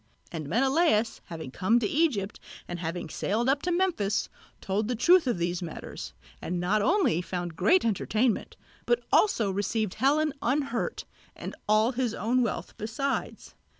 And Menelaos having come to Egypt and having sailed up to Memphis, told the truth of these matters, and not only found great entertainment, but also received Helen unhurt, and all his own wealth besides.